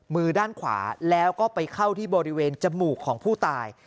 มือด้านขวาแล้วก็ไปเข้าที่บริเวณจมูกของผู้ตาย